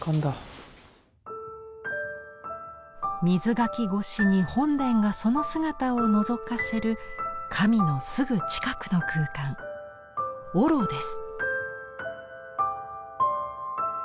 瑞垣越しに本殿がその姿をのぞかせる神のすぐ近くの空間御廊です。